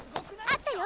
あったよ